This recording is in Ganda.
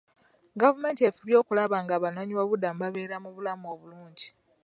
Gavumenti efubye okulaba nga abanoonyiboobubudamu babeera mu bulamu obulungi.